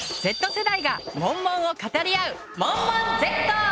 Ｚ世代がモンモンを語り合う「モンモンＺ」！